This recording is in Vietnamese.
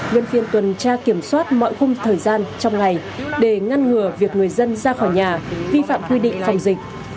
nhân viên tuần tra kiểm soát mọi khung thời gian trong ngày để ngăn ngừa việc người dân ra khỏi nhà vi phạm quy định phòng dịch